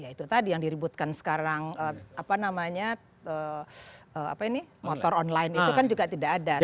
ya itu tadi yang diributkan sekarang apa namanya motor online itu kan juga tidak ada